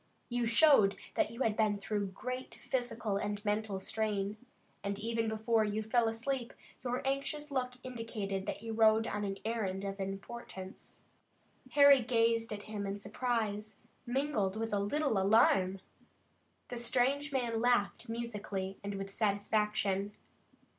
You showed that you had been through great physical and mental strain, and even before you fell asleep your anxious look indicated that you rode on an errand of importance." Harry gazed at him in surprise, mingled with a little alarm. The strange man laughed musically and with satisfaction.